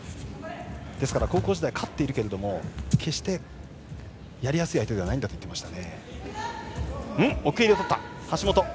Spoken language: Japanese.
ですから高校時代に勝っているが決してやりやすい相手ではないと言っていました。